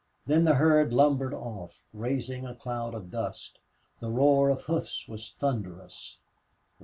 Then the herd lumbered off, raising a cloud of dust. The roar of hoofs was thunderous.